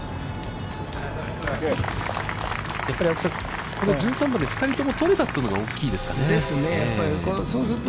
青木さん、１３番で、２人とも取れたというのが、大きいですかね。ですね。